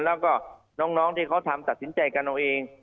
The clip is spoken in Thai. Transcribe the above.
แล้วก็น้องที่เขาทำตัดสินใจกันเอาเอง